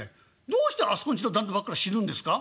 「どうしてあそこんちの旦那ばっかり死ぬんですか？」。